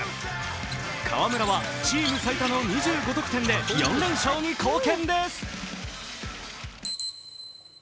河村はチーム最多の２５得点で４連勝に貢献です。